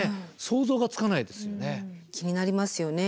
想像がつかないですよね。